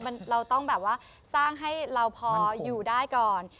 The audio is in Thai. ใช่คือเราต้องสร้างให้เราพออยู่ได้ก่อน